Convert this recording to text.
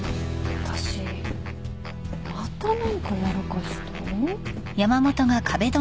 私また何かやらかした？